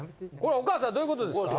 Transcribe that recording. お母さんどういうこと？